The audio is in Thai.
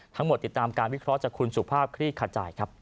ติดตามการวิเคราะห์จากคุณสุภาพคลี่ขจายครับ